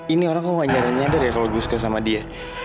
ini orang kok gak nyadar nyadar ya kalau gue suka sama dia